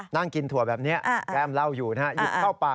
นั่งกินถั่วแบบนี้แก้มเหล้าอยู่นะฮะ